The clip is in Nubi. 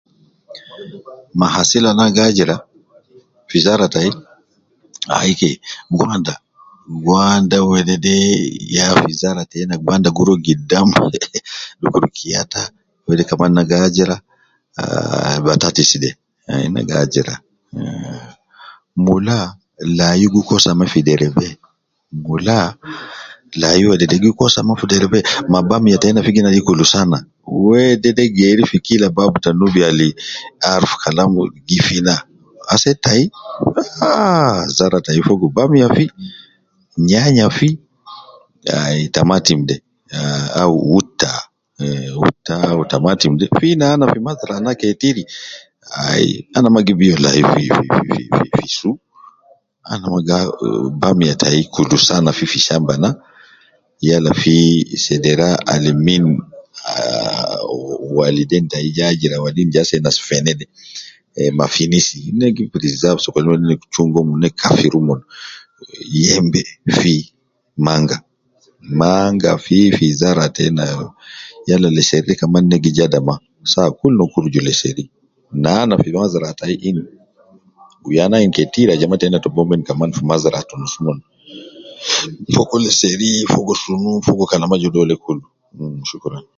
Mahasil Al Ina gi ajira fi Zara tayi ayike gwanda gwanda heheh wedede gwanda gu ruwa gidam dukur batatas. Mula layu wede gi kosa maa fi derebe towili zaidi